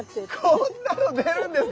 こんなの出るんですね。